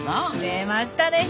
出ましたね